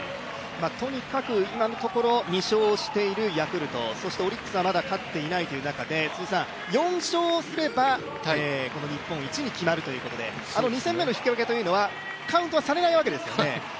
とにかく今のところ、２勝しているヤクルト、そしてオリックスはまだ勝っていない中で辻さん、４勝すれば日本一に決まるということで２戦目の引き分けはカウントはされないわけですよね。